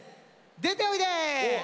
出ておいで！